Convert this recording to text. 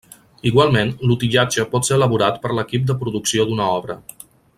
Igualment, l'utillatge pot ser elaborat per l'equip de producció d'una obra.